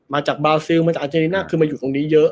มาจากบาซิลมาจากอาเจริน่าคือมาอยู่ตรงนี้เยอะ